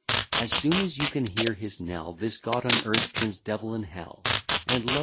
As soon as you can hear his knell, This god on earth turns devil in hell: And lo!